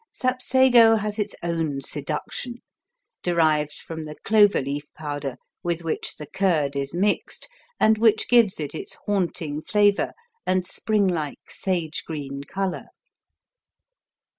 Sapsago has its own seduction, derived from the clover leaf powder with which the curd is mixed and which gives it its haunting flavor and spring like sage green color.